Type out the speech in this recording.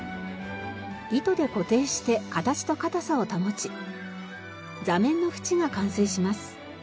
糸で固定して形と硬さを保ち座面のふちが完成します。